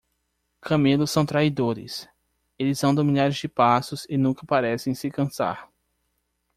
Camelos são traidores. Eles andam milhares de passos e nunca parecem se cansar.